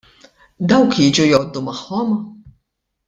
Dawk jiġu jgħoddu magħhom?